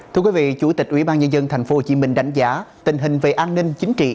thưa quý vị chủ tịch ubnd tp hcm đánh giá tình hình về an ninh chính trị